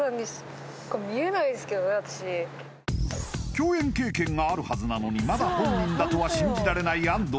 共演経験があるはずなのにまだ本人だとは信じられない安藤